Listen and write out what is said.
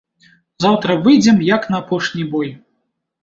Заўтра выйдзем, як на апошні бой.